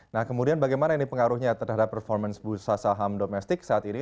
nah kemudian bagaimana ini pengaruhnya terhadap performance bursa saham domestik saat ini